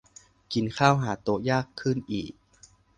กินข้าวหาโต๊ะยากขึ้นอีก